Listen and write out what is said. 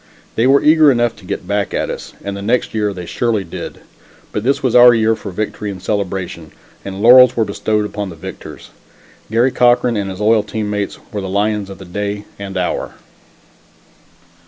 They were eager enough to get back at us and the next year they surely did. But this was our year for victory and celebration, and laurels were bestowed upon the victors. Garry Cochran and his loyal team mates were the lions of the day and hour.